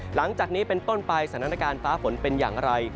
หลังจากนี้เป็นต้นไปสถานการณ์ฟ้าฝนเป็นอย่างไร